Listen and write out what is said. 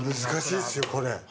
難しいっすよこれ。